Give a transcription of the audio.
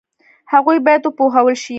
هغوی باید وپوهول شي.